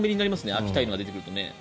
秋田犬が出てくると。